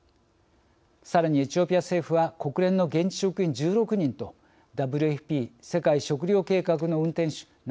さらにエチオピア政府は国連の現地職員１６人とＷＦＰ＝世界食糧計画の運転手７２人を拘束。